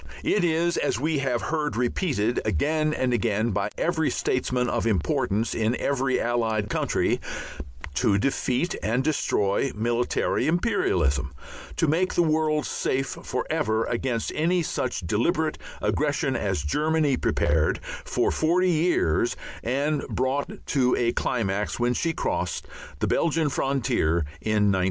It is, we have heard repeated again and again by every statesman of importance in every Allied country, to defeat and destroy military imperialism, to make the world safe for ever against any such deliberate aggression as Germany prepared for forty years and brought to a climax when she crossed the Belgian frontier in 1914.